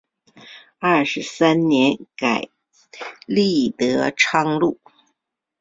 二十三年改隶德昌路。